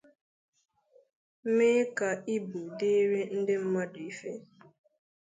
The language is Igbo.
mee ka ibu dịrị ndị mmadụ mfe